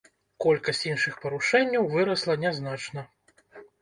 Колькасць іншых парушэнняў вырасла не значна.